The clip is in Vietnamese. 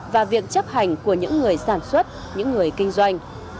và việc chấp hành của những người sản xuất những người kinh doanh